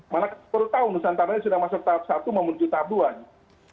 mana sepuluh tahun nusantara sudah masuk tahap satu mau menuju tahap dua